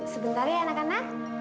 sebentar ya anak anak